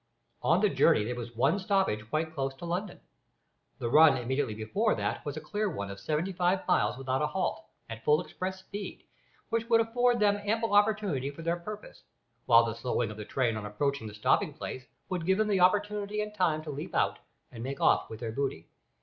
On the journey there was one stoppage quite close to London. The run immediately before that was a clear one of seventy five miles without a halt, at full express speed, which would afford them ample opportunity for their purpose, while the slowing of the train on approaching the stopping place would give them opportunity and time to leap out and make off with their booty.